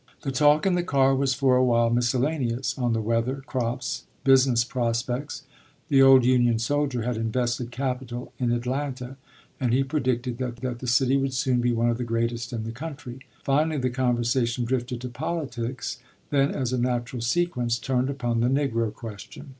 The talk in the car was for a while miscellaneous on the weather, crops, business prospects; the old Union soldier had invested capital in Atlanta, and he predicted that that city would soon be one of the greatest in the country. Finally the conversation drifted to politics; then, as a natural sequence, turned upon the Negro question.